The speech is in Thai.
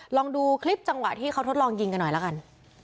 ลองดูคลิปจังหวะที่เขาทดลองยิงกันหน่อยละกัน